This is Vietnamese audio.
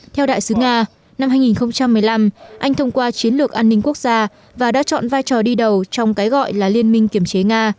theo đại sứ nga năm hai nghìn một mươi năm anh thông qua chiến lược an ninh quốc gia và đã chọn vai trò đi đầu trong cái gọi là liên minh kiểm chế nga